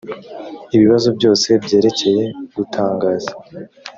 ibibazo byose byerekeye gutangaza